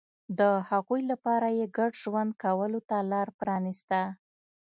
د هغوی لپاره یې ګډ ژوند کولو ته لار پرانېسته.